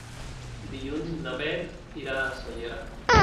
Dilluns na Beth irà a Sóller.